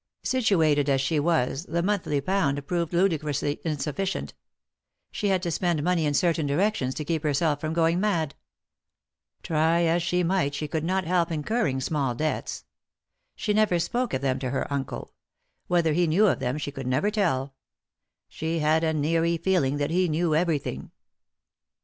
Situated as she was the monthly pound proved ludicrously insufficient — she had to spend money in certain directions to keep herself from going mad. Try as she might she could not help 158 . n;<; ?en „, Google THE INTERRUPTED KISS incurring small debts. She never spoke of them to her uncle ; whether he knew of them she could never tell ; she had an eerie feeling that he knew everything.